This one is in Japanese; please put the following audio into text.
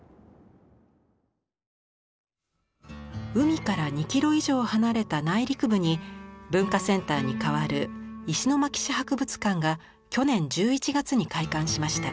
海から２キロ以上離れた内陸部に文化センターに代わる石巻市博物館が去年１１月に開館しました。